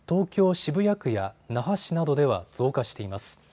渋谷区や那覇市などでは増加しています。